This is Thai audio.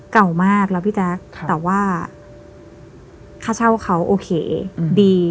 เก่ามากแล้วพี่แจ๊คแต่ว่าค่าเช่าเขาโอเคดี